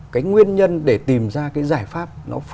cái nguyên nhân để tìm ra cái giải pháp